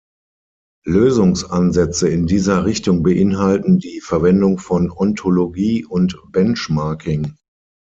Lösungsansätze in dieser Richtung beinhalten die Verwendung von Ontologie und Benchmarking.